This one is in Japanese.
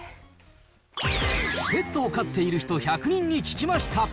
ペットを飼っている人１００人に聞きました。